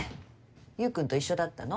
悠君と一緒だったの？